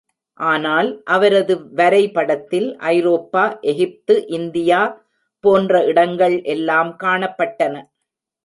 ஆனால், அவரது வரை படத்தில், ஐரோப்பா, எகிப்து இந்தியா போன்ற இடங்கள் எல்லாம் காணப்பட்டன.